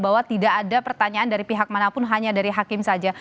bahwa tidak ada pertanyaan dari pihak manapun hanya dari hakim saja